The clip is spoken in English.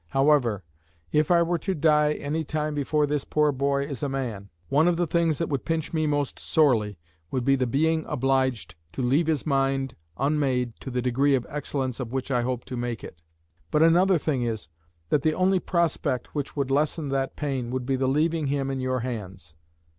However, if I were to die any time before this poor boy is a man, one of the things that would pinch me most sorely would be the being obliged to leave his mind unmade to the degree of excellence of which I hope to make it. But another thing is, that the only prospect which would lessen that pain would be the leaving him in your hands.